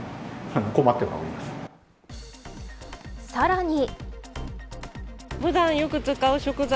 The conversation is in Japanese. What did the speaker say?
さらに。